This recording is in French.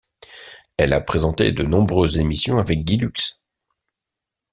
Elle a présenté de nombreuses émissions avec Guy Lux.